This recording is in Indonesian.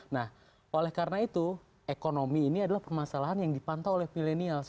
nah oleh karena itu ekonomi ini adalah permasalahan yang dipantau oleh millennials